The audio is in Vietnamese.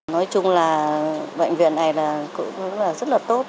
nói chung là bệnh viện này cũng rất là tốt